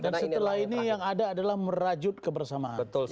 dan setelah ini yang ada adalah merajut kebersamaan